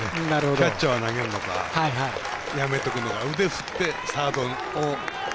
キャッチャーは投げるのかやめておくのか腕振って、サードを。